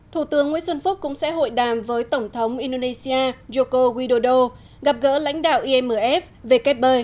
thủ tướng nguyễn xuân phúc cũng sẽ hội đàm với tổng thống indonesia joko widodo gặp gỡ lãnh đạo imf vkp